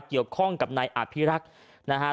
เกี่ยวข้องกับนายอภิรักษ์นะฮะ